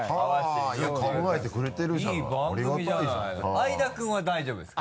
相田君は大丈夫ですか？